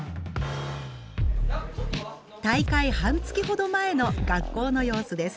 大会半月ほど前の学校の様子です。